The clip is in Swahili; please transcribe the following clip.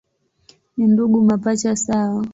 Ni ndugu mapacha sawa.